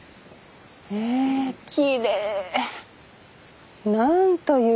ええきれい。